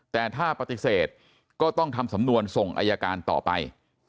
แต่ถ้าปฏิเสธก็ต้องทำสำนวนส่งอายการต่อไป